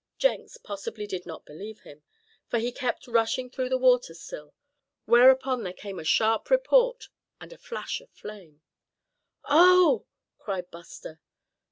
Jenks possibly did not believe him, for he kept rushing through the water still; whereupon there came a sharp report, and a flash of flame. "Oh!" cried Buster.